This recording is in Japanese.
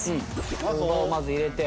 大葉をまず入れて。